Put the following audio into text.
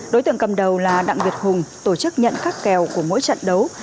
đối tượng cầm đầu là đặng việt hùng tổ chức nhận các kèo của mỗi trận đấu